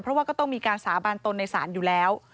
เพราะว่าก็ต้องมีการสาบานตนในศาลอยู่แล้ว